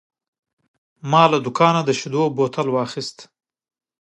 ما له دوکانه د شیدو بوتل واخیست.